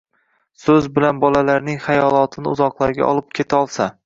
so‘zi bilan bolalarning xayolotini uzoqlarga olib ketolsa